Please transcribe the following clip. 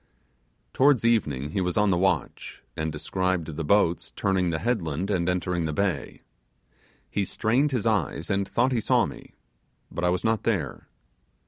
Towards evening he was on the watch, and descried the boats turning the headland and entering the bay. He strained his eyes, and thought he saw me; but I was not there.